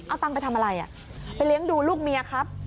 เอาตังค์ไปทำอะไรไปเลี้ยงดูลูกเมียครับ